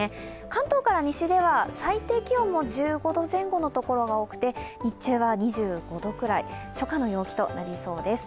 関東から西では最低気温も１５度前後のところが多くて日中は２５度くらい、初夏の陽気となりそうです。